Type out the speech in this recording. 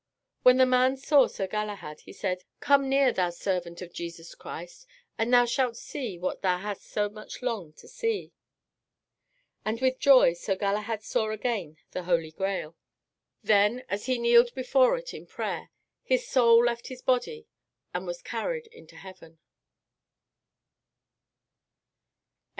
When the man saw Sir Galahad, he said, "Come near, thou servant of Jesus Christ, and thou shalt see what thou hast so much longed to see." And with joy Sir Galahad saw again the Holy Grail. Then as he kneeled before it in prayer, his soul left his body and was carried into heaven.